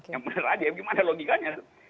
yang benar aja gimana logikanya